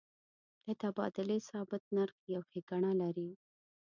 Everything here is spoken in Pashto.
د تبادلې ثابت نرخ یو ښیګڼه لري.